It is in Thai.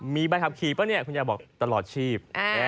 มีใบขับขี่ป่ะเนี่ยคุณยายบอกตลอดชีพ